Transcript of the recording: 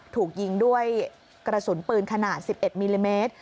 ถูกยิงด้วยกระสุนปืนขนาด๑๑มิลลิเมตร